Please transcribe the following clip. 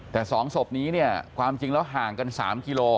แต่๒ศพนี้เนี่ยความจริงแล้วห่างกัน๓กิโล